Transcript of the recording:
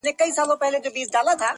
• زما مور، دنيا هېره ده.